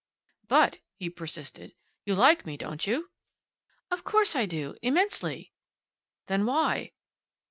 "But," he persisted, "you like me, don't you?" "Of course I do. Immensely." "Then why?"